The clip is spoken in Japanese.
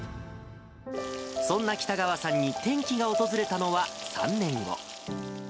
そんな北川さんに転機が訪れたのは３年後。